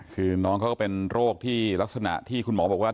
คือน้องเขาก็เป็นโรคที่ลักษณะที่คุณหมอบอกว่า